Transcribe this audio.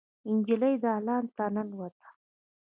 نجلۍ دالان ته ننوته.